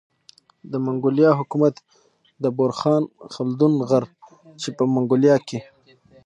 د منګولیا حکومت د بورخان خلدون غر چي په منګولیا کي